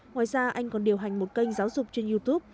ngoài ra anh còn điều hành một kênh giáo dục trên youtube